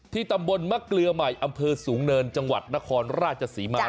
ตำบลมะเกลือใหม่อำเภอสูงเนินจังหวัดนครราชศรีมา